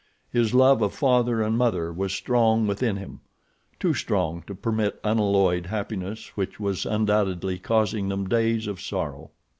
His love of father and mother was strong within him, too strong to permit unalloyed happiness which was undoubtedly causing them days of sorrow.